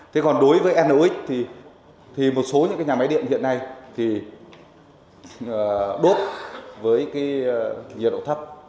thế còn đối với nx thì một số những nhà máy điện hiện nay thì đốt với cái nhiệt độ thấp